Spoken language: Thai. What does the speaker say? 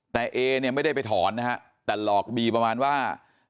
แต่เอเนี่ยไม่ได้ไปถอนนะฮะแต่หลอกบีประมาณว่า